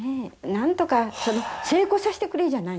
「なんとか“成功させてくれ”じゃないんですよ」